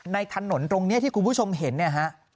ถนนตรงนี้ที่คุณผู้ชมเห็นเนี่ยฮะ